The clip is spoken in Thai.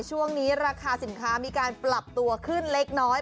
ช่วงนี้ราคาสินค้ามีการปรับตัวขึ้นเล็กน้อย